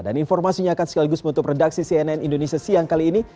dan informasinya akan sekaligus untuk redaksi cnn indonesia siang kali ini